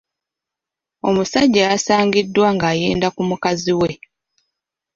Omusajja yasangiddwa ng'ayenda ku mukazi we.